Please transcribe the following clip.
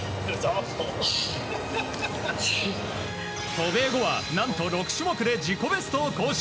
渡米後は、なんと６種目で自己ベストを更新。